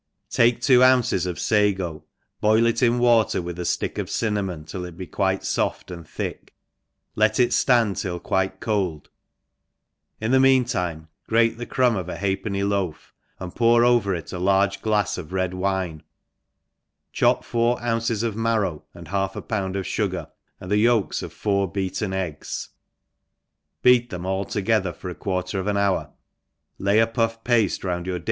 TAKE two ounces of fago, boil it in watett .with a ftick of cinnamon till it be quite i^h and thick, let it ftand till quite cold, in the meam time grate the crumb of a halfpenny loaf, and |»our over it a large glafs of red wine, chop four •ounces of marrow, and half a pound of fugar, and the yolks of four beaten eggs, beat them all togethar for a quarter of an hour, lay a puff paftc n U;6 THE EXPERIENCEO paile round your di.